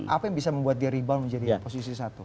apa yang bisa membuat dia rebound menjadi posisi satu